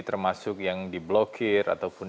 termasuk yang di blokir ataupun